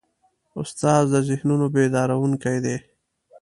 استاد د ذهنونو بیدارونکی دی.